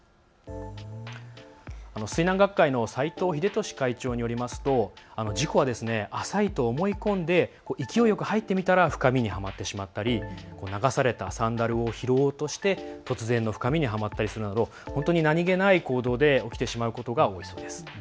水難学会の斎藤秀俊会長によりますと事故は浅いと思い込んで勢いよく入ってみたら深みにはまってしまったり、流されたサンダルを拾おうとして突然の深みにはまったりするなど何気ない行動で起きてしまうことが多いそうです。